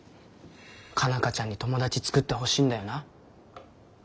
佳奈花ちゃんに友達作ってほしいんだよな？